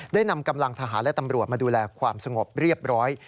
ได้นำกำลังทหารและตำรวจมาดูแลความสงบเรียบร้อย